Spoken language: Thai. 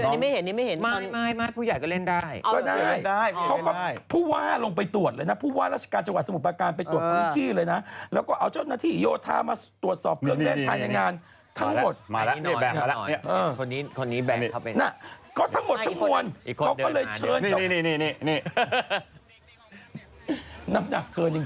เธอยังไหวหัวหละมันน่าจะด่า